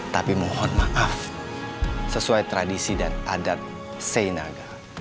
tapi mohon maaf sesuai tradisi dan adat seynaga